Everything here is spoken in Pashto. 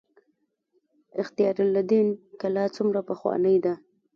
اختیار الدین کلا څومره پخوانۍ ده؟